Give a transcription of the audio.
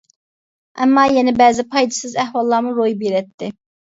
ئەمما يەنە بەزىدە پايدىسىز ئەھۋاللارمۇ روي بېرەتتى.